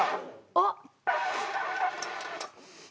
あっ！